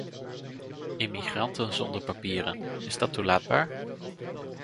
Immigranten zonder papieren, is dat toelaatbaar?